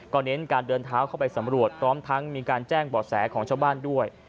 เน้นการเดินเท้าเข้าไปสำรวจพร้อมทั้งมีการแจ้งบ่อแสของชาวบ้านด้วย